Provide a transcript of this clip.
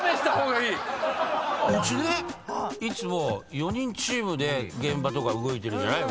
うちねいつも４人チームで現場とか動いてるじゃない。